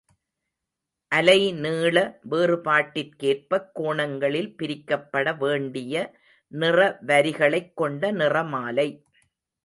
அலைநீள வேறுபாட்டிற்கேற்பக் கோணங்களில் பிரிக்கப்பட வேண்டிய நிறவரிகளைக் கொண்ட நிறமாலை.